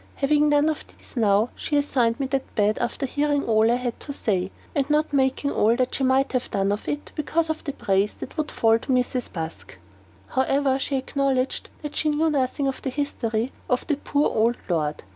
Having none of these now, she assigned me that bed after hearing all I had to say, and not making all that she might have done of it, because of the praise that would fall to Mrs. Busk. However, she acknowledged that she knew nothing of the history of "the poor old lord."